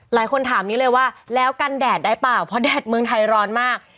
หลายคนถามนี้เลยว่าแล้วกันแดดได้เปล่าเพราะแดดเมืองไทยร้อนมาก